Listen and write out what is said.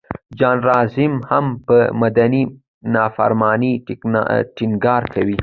جان رالز هم پر مدني نافرمانۍ ټینګار کوي.